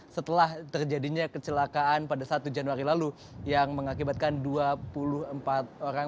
setelah terjadinya kecelakaan pada satu januari lalu yang mengakibatkan dua puluh empat orang